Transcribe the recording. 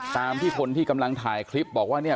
ตามที่คนที่กำลังถ่ายคลิปบอกว่าเนี่ย